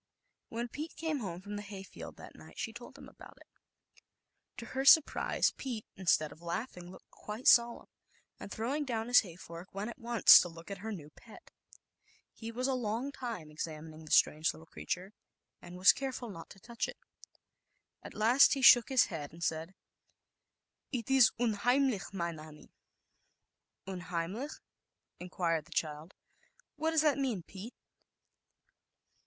When Pete came home from the hay field that night, she told him about it. To her surprise, Pete, instead of laugh ing, looked quite solemn, and throwing down his hay fork, went at once to look at her new pet, j was a long time examining the i i i f i strange little creature, and was careful not 5 1 t\ ZAUBERLINDA, THE WISE WITCH. 39 to touch it. At last he shook his head and said, "It is unheimlich, mein Annie." "Unheimlich," inquired the child, "what does that mean, Pete?"